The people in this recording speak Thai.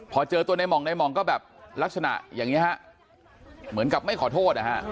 พอเจอตัวในห่องในห่องก็แบบลักษณะอย่างนี้ฮะเหมือนกับไม่ขอโทษนะฮะ